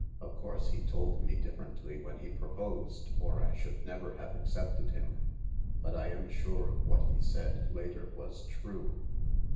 Of course he told me differently when he proposed, or I should never have accepted him. But I am sure what he said later was true.